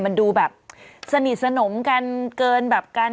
มันดูแบบสนิทสนมกันเกินแบบกัน